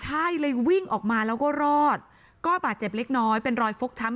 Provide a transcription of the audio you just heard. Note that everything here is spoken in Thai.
ใช่เลยวิ่งออกมาแล้วก็รอดก็บาดเจ็บเล็กน้อยเป็นรอยฟกช้ำ